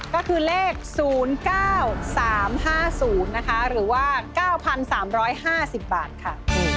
ก็คือเลข๐๙๓๕๐นะคะหรือว่า๙๓๕๐บาทค่ะ